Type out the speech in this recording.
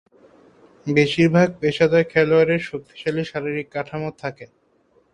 বেশীরভাগ পেশাদার খেলোয়াড়ের শক্তিশালী শারীরিক কাঠামো থাকে।